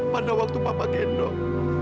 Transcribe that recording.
pada waktu papa gendong